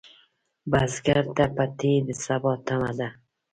بزګر ته پټی د سبا تمه ده